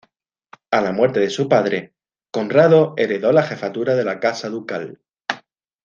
A la muerte de su padre, Conrado heredó la jefatura de la casa ducal.